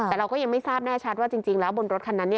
แต่เราก็ยังไม่ทราบแน่ชัดว่าจริงแล้วบนรถคันนั้น